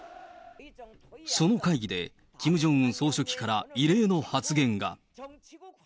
その会議で、キム・ジョンウン総書記から異例の発言が。